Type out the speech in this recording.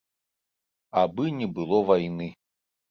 Абы не было вайны.